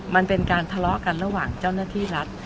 มันเป็นการทะเลาะกันระหว่างเจ้าหน้าที่รัฐ